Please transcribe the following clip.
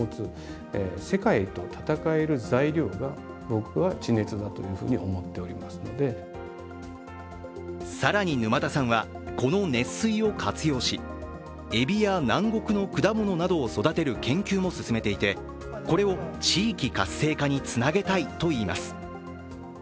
この挑戦に町長は更に沼田さんは、この熱水を活用しエビや南国の果物などを育てる研究も進めていてこれを地域活性化につなげたいといいます。